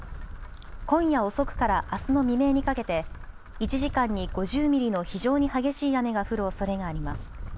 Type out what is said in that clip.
今夜遅くからあすの未明にかけて１時間に５０ミリの非常に激しい雨が降るおそれがあります。